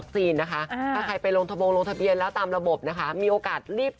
ถูกต้องแล้วค่ะ